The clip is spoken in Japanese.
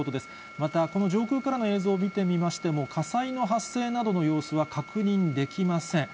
また、この上空からの映像を見てみましても、火災の発生などの様子は確認できません。